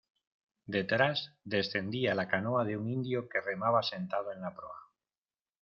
detrás, descendía la canoa de un indio que remaba sentado en la proa.